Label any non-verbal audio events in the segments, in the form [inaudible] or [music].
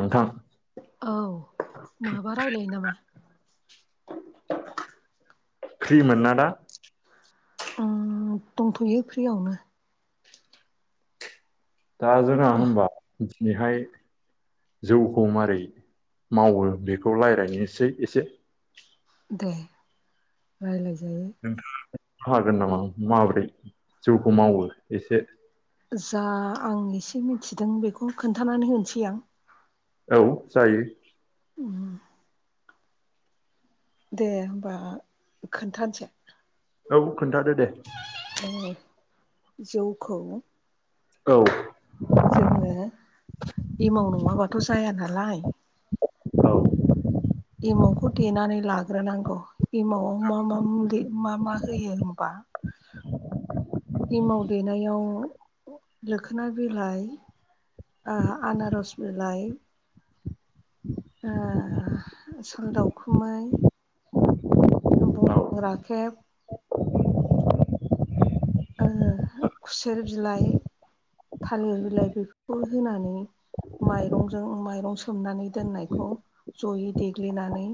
नोंथां। औ माबा रायलानो नामा? फ्रिमोनना दा? ओम दंथ'यो फ्रियावनो। दा जोंना मा होनबा दिनैहाय जौखौ मारै मावो बेखौ रायलायनोसै एसे एसे। दे रालाय। नोंथाङा हागोन नामा माब्रै जौखौ मावो एसे? जा आं एसे मिथिदों बेखौ खोन्थानानै होनोसै आं। औ जायो। उम दे होबा खोनथानसै। औ खोन्थादो दे। जौखौ औ। जोङो एमाव नङाबाथ' जाया नालाय। औ। एमावखौ देनानै लाग्रोनांगौ एमावआव मा मा मुलि मा मा होयो होमबा एमाव देनायाव लोखोना बिलाइ। आनारस बिलाइ। आ‌ साल दावखुमै। औ बुंफां राखेब। ओ खुसेर बिलाइ। थालिर बिलाइ बेफोरखौ होनानै। माइरंजों माइरं सोमनानै दोननायखौ जयै देग्लिनानै।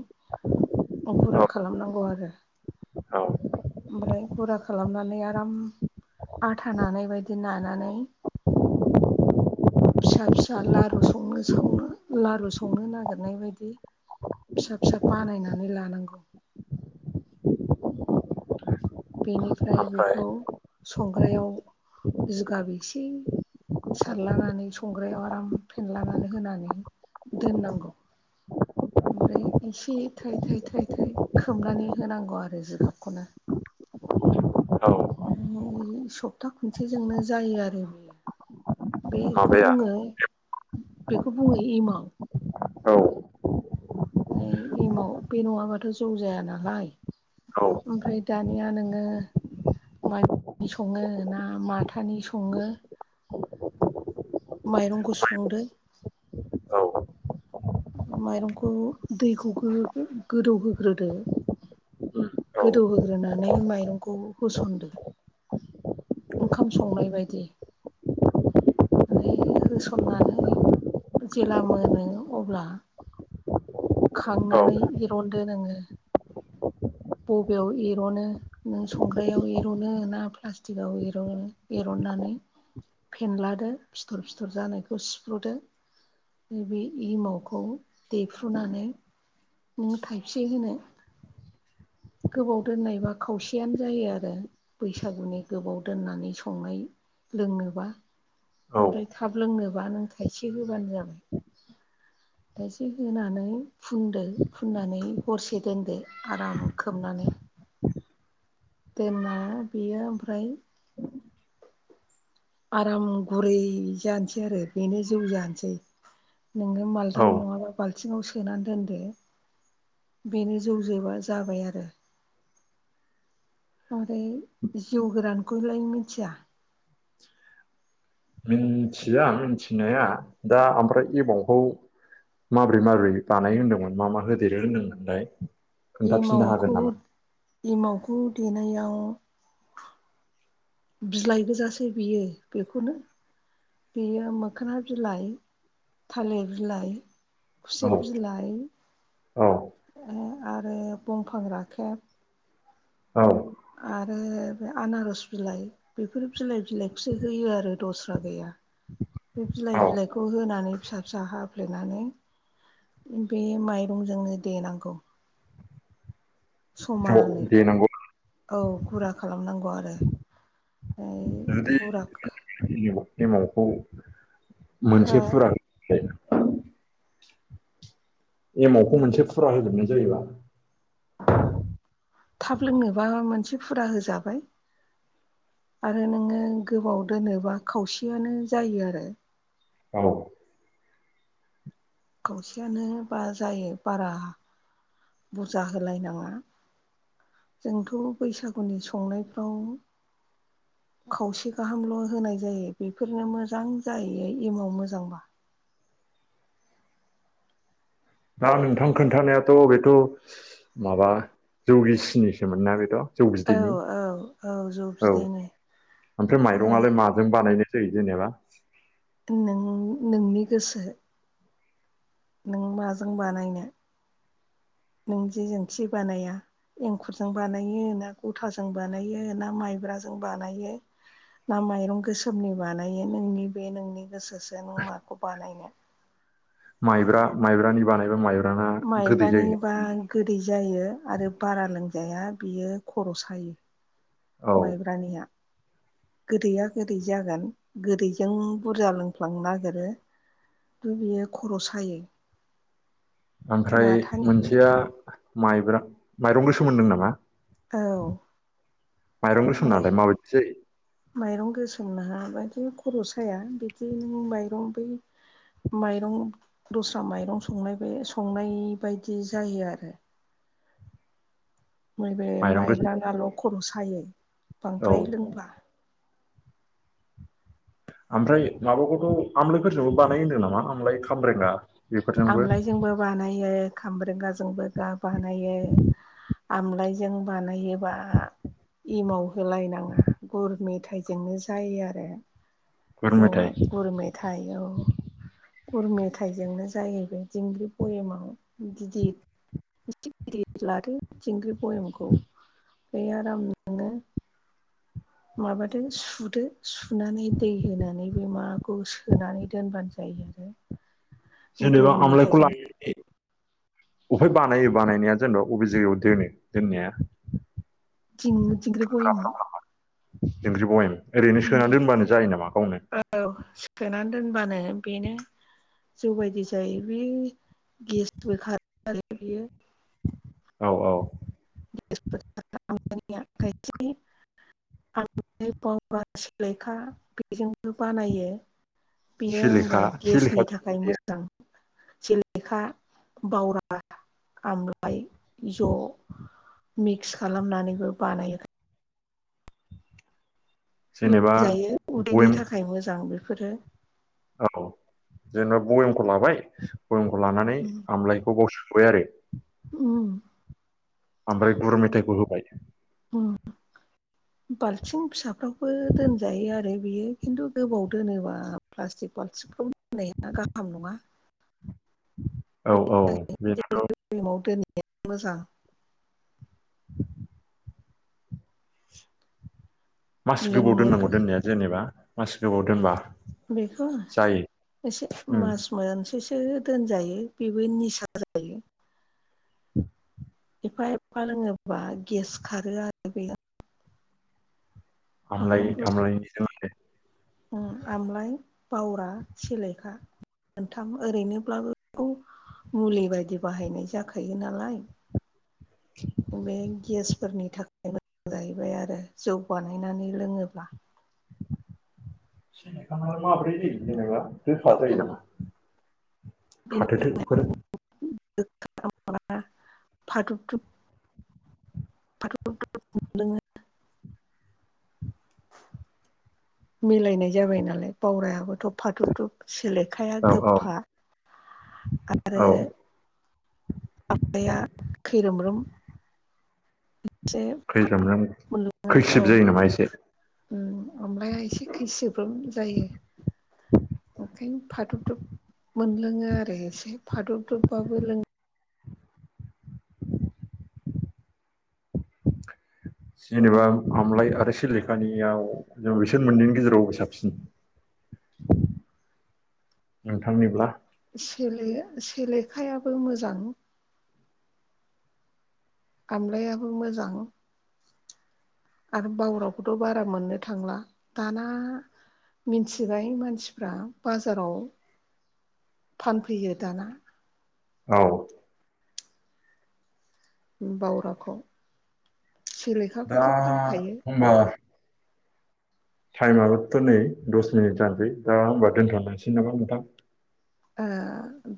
गुरा औ खालामनांगौ आरो। औ ओमफ्राय गुरा खालामनानै आराम। आथा नानाय बायदि नानानै। फिसा फिसा लारु संनो सावनो लारु संनो नागिरनाय बायदि। फिसा फिसा बानायनानै लानांगौ। [inaudible] बेनिफ्राय ओमफ्राय बेखौ संग्रायाव जिगाब एसे सारलानानै संग्रायाव आराम फेनलानानै होनानै दोननांगौ। [inaudible] ओमफ्राय एसे थाइ थाइ थाइ थाइ खोबनानै होनांगौ आरो जिगाबखौनो। औ सप्ता खनसेजोंनो जायो आरो बेयो। बेखौ माबाया बुङो बेखौ बुङो एमाव। औ फ्राय एमाव बे नङाबाथ' जौ जाया नालाय। औ ओमफ्राय दानिया नोङो माइब्रानि सङो ना माथानि सङो। माइरंखौ संदो। औ माइरंखौ दैखौ गोदौहोग्रोदो। गोदौहोग्रोनानै माइरंखौ होसनदो। ओंखाम संनाय बायदि। माने होसननानै जेब्ला मोनो अब्ला। औ खांनानै एरनदो नोङो। [inaudible] बबेयाव एर'नो नों संग्रायाव एर'नो ना प्लास्टिकआव एर'नो एर'नानै। [inaudible] फेनलादो फिथर फिथर जानायखौ सिफ्रुदो। नैबे एमावखौ देफ्रुनानै। नों थाइबैसे होनो। [inaudible] गोबाव दोननायबा खावसेयानो जायो आरो बैसागुनि गोबाव दोननानै संनाय। लोंनोबा औ ओमफ्राय थाब लोंनोबा नों थायसे होबानो जाबाय। थायसे होनानै फुनदो। फुननानै हरसे दोनदो आराम खोबनानै। दोनना बेयो ओमफ्राय आराम गुरै जानोसै आरो बेनो जौ जानोसै नोङो मालदां औ नङाबा बाल्थिङाव सोना दोनदो बेनो जौ जोबा जाबाय आरो ओमफ्राय जिउ गोरानखौलाय मिथिया मिनथिया मिनथिनाया दा ओमफ्राय एबावखौ माबोरै माबोरै बानायो होनदोंमोन मा मा होदेरो होनदोंमोनलाय खोन्थाफिननो हागोन एमावखौ नामा? इमावखौ देनायाव बिलाइ गोजासै बियो बेखौनो बेयो मोखोना बिलाइ थालिर बिलाइ औ खुसेर बिलाइ औ ओ आरो बंफां राखेब औ। आरो बे आनारस बिलाइ बेफोर बिलाइ बिलाइखौसो होयो आरो दस्रा गैया। बे बिलाइ औ बिलाइखौ होनानै फिसा फिसा हाफ्लेनानै बे माइरंजोंनो देनांगौ। थ समानै दे नंगौ औ गुरा खालामनांगौ आरो। ओमफ्राय जुदि गाराख एमावखौ हो मोनसे फुरा ना [unintelligible] एमावखौ मोनसे फुरा होजोबनाय जायोबा थाब लोंनोबा मोनसे फुरा होजाबाय आरो नोङो गोबाव दोनोबा खावसेयानो जायो आरो। औ खौवसेयानो बा जायो बारा बुरजा होलायनाङा। जोंथ' बैसागुनि संनायफ्राव [inaudible] खावसे गाहामल' होनाय जायो बेफोरनो मोजां जाहैयो एमाव मोजांबा। [inaudible] दा नोंथां खोन्थानायाथ' बेथ' माबा जौगिसिनिसोमोना बेथ' जौ औ बिदैनि औ जौ औ बिदैनो ओमफ्राय ओमफ्राय माइरंआलाय माजों बानायनो सै जेनेबा? नों नोंनि नोंनि गोसो नों माजों बानायनो [inaudible] नों जेजों थि बानाया एंखुरजों बानायो ना गथाजों बानायो ना माइब्राजों जों बानायो ना माइरं गोसोमनि बानायो नोंनि बे नोंनि गोसोसो न माखौ बानायनो।। माइब्रा माइब्रानि बानायबा माइब्रा माइब्रानिबा गोदै जायो आरो बारा लोंस जाया बियो खर' सायो औ माइब्रानिया गोदैया गोदै जागोन गोदैजों बुरजा लोंफ्लांनो नागिरो द बियो खर' सायो। ओमफ्राय माथानि मोनसेया माइब्रा माइरं गोसोमओन्दों नामा? औ माइरं गोसोम माइ नालाय माबाइदि जायो? माइरं गोसोमना हा बायदि खर' स जाया बिदि नों माइरं बै माइरं दस्रा माइरं संनाय बे संनाय बायदि जायो आरो। मैब माइरं माइब्रा गोसोम नाल' खर' सायो औ बांद्राय लोंब्ला। ओमफ्राय माबाखौथ' आमलायफोरजोंबो बानायो होनदों नामा आमलाय खामब्रेंगा बेफोरजोंबो आमलायजोंबो बानायो खामब्रेंगाजोंबो दा बानायो। आमलायजों बानायोबा एमाव होलायनाङा गुर मेथाइजोंनो जायो आरो। गुर जौवा मेथाइ गुर मेथाइ औ। गुर मेथाइजोंनो जायो बे दिंग्रि बयेमाव गिदिर [unintelligible] बे आराम नोङो माबादो सुदो सुनानै दै होनानै बे माखौ सोनानै दोनबानो जायो आरो। जेनेबा गुर आमलायखौ मेथाइजों लानानै [inaudible] बहाय बानायो बानायनाया जेनबा अबे जायगायाव दोनो दोननाया? थिं थिंग्रिबय' दिंग्रि बहम [unintelligible] ओरैनो सोना दोनबानो जायो नामा? सोनानै दोनबानो बेनो। जौ बायदि जायो बे गेसबो खारो आरो बेयो। औ औ। आंनि आखाइथि [unintelligible] [unintelligible] बेयो ओहबा सिलिखा सिलिखा गेसनि थाखाय मोजां। सिलेखा, बावरा, आमलाय ज' मिक्स खालामनानैबो बानायो। जेनेबा लोंजायो उदैनि बयेम थाखाय मोजां बेफोरो। औ जेनेबा भयेमखौ लाबाय भयेमखौ लानानै। वय आरो उम ओमफ्राय गुर मेथाइखौ होबाय उम [inaudible] बाल्थिं फिसाफोरावबो दोनजायो आरो बियो किनतु गोबाव दोनोब्ला प्लासटिक बाल्थिफ्राव दोननाया गाहाम नङा [unintelligible] औ औ बेनो बेनि [unintelligible] मासे गोबाव लोंनो दोननांगौ दोननाया जेनेबा मासे गोबाव दोनबा बेखौ जायो एसे उम मास मोनसेसो दोनजायो बेबो निसा जायो। [unintelligible] [inaudible] एफा एफा लोङोबा गेस खारो आरो बेयो [inaudible] आमलाय उम आमलायनि सोमोन्दै आमलाइ बावरा, सेलेखा। मोनथाम ओरैनोब्लाबो मुलि बायदि बाहायनाय जाखायो नालाय बे गेसफोरनि थाखाय मोजां जाहैबाय आरो जौ बानायनानै लोङोबा। [inaudible] खाथोथोफोर [unintelligible] फादुब दुब [unintelligible] मिलायनाय जाबाय नालाय बावरायाबो थ' फादुब दुब। सोलेखाया औ औ गोफा आरो। औ आमब्लाइआ खैरोमरोम एसे खैरोमरोम खैसिब जायो नामा एसे अमलाया एसे खैसिफ्रोम जायो ओंखायनो। फादब दुब मोनलोङो आरो फादब दुब बाबो लोङो जेनेबा आमलाय आरो सिलेखानियाव जों बिसोर मोननैनि गेजेरावबो साबसिन? [inaudible] नोंथांनिब्ला सेले-सेलेखायाबो मोजां। आमलायाबो मोजां। आरो बावरावखौथ' बारा मोननो थांला दाना मिथिबाय मानसिफ्रा बाजाराव फानफैयो दाना औ। बावराखौ दा सिलेखाखौथ' फानखायो। टाइमआोथ' नै दस मिनिट जानोसै दा होमबा दोनथ'लसै नामा नोंथां? ओ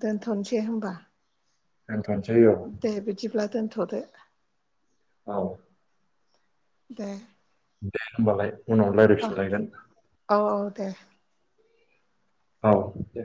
दोनथ'नोसै होमबा? दोनथ'नोसै औ दे बिदिब्ला दोनथ'दो। औ। दे दे होनोमबालाय उनाव अ रायलायफिनलायगोन औ औ दे औ दे